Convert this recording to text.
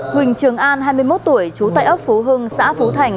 huỳnh trường an hai mươi một tuổi trú tại ấp phú hưng xã phú thành